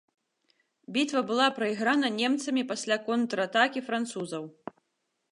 Бітва была прайграна немцамі пасля контратакі французаў.